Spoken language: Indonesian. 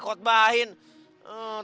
aku mahang papan jadi wants